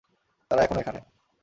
তারা এখনো এখানে।